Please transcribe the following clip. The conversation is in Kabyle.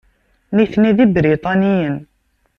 Nitni d Ibriṭaniyen.